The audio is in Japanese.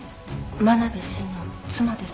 真鍋伸の妻です。